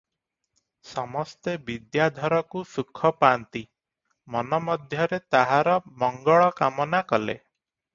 ସମସ୍ତେ ବିଦ୍ୟାଧରକୁ ସୁଖ ପାନ୍ତି, ମନ ମଧ୍ୟରେ ତାହାର ମଂଗଳକାମନା କଲେ ।